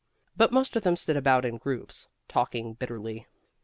But most of them stood about in groups, talking bitterly.